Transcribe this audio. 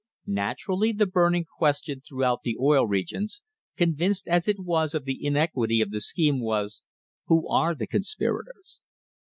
Naturally the burning question throughout the Oil Regions, convinced as it was of the iniquity of the scheme, was, Who are the conspirators?